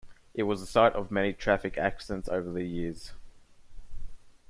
It was the site of many traffic accidents over the years.